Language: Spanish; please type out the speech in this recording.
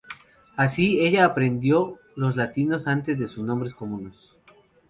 Así, ella aprendió los latinos antes de sus nombres comunes.